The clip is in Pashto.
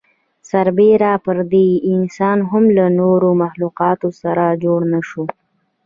سر بېره پر دې انسان هم له نورو مخلوقاتو سره جوړ نهشو.